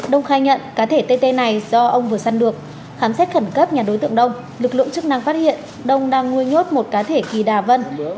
đông khai nhận cá thể tê này do ông vừa săn được khám xét khẩn cấp nhà đối tượng đông lực lượng chức năng phát hiện đông đang nuôi nhốt một cá thể kỳ đà vân